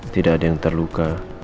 tidak ada yang terluka